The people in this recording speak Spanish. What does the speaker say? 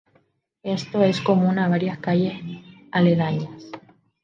Esto es común a varias calles aledañas.